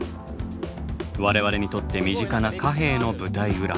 我々にとって身近な貨幣の舞台裏。